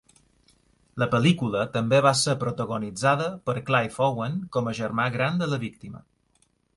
La pel·lícula també va ser protagonitzada per Clive Owen com a germà gran de la víctima.